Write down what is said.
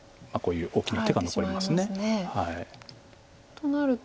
となると。